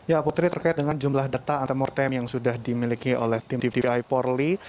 ya putri terkait dengan jumlah data antemortem yang sudah dimiliki oleh tim dvi polri